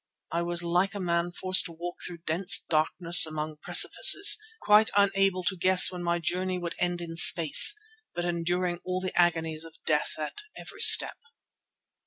I was like a man forced to walk through dense darkness among precipices, quite unable to guess when my journey would end in space, but enduring all the agonies of death at every step.